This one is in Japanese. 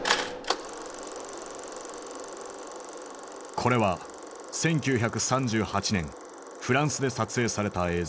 これは１９３８年フランスで撮影された映像。